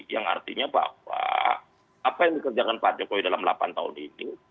yang artinya bahwa apa yang dikerjakan pak jokowi dalam delapan tahun ini